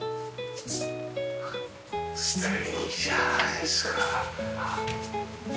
素敵じゃないですか。